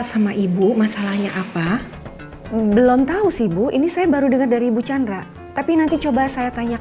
sampai jumpa di video selanjutnya